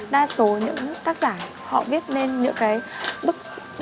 đa số những tác giả họ biết lên những cái bức